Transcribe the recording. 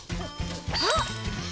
あっ！